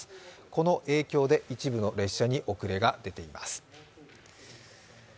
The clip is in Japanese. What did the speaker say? この駅で一部の列車に遅れが出ています。